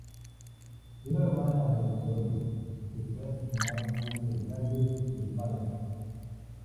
Era hermana de un Loring que fue asesinado siendo alcalde de Málaga.